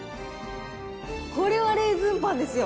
これがレーズンパンですよ。